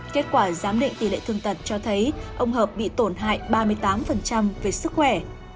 kết quả giám định tỷ lệ thương tật cho thấy ông hợp bị tổn hại ba mươi tám về sức khỏe